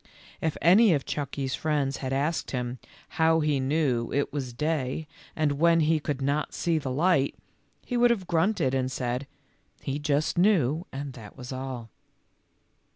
If any of Chucky's friends had asked him " how he knew it was day when he could not see the light," he would have grunted and said, " he just knew and that was all."